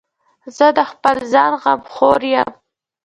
زه د خپل ځان غمخور یم.